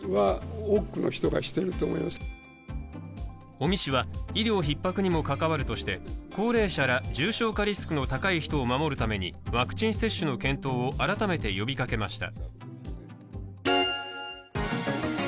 尾身氏は医療ひっ迫にも関わるとして高齢者ら重症化リスクの高い人を守るためにワクチン接種の検討を改めて呼びかけました。